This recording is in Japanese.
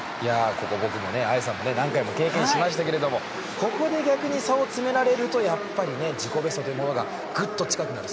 ここ綾さんも僕も何回も経験しましたけれどもここで逆に差を詰められるとやっぱり自己ベストというものがぐっと近くなる。